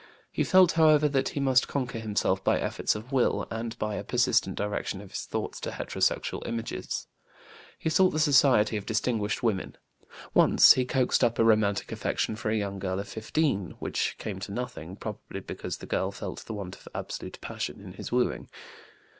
He felt, however, that he must conquer himself by efforts of will, and by a persistent direction of his thoughts to heterosexual images. He sought the society of distinguished women. Once he coaxed up a romantic affection for a young girl of 15, which came to nothing, probably because the girl felt the want of absolute passion in his wooing.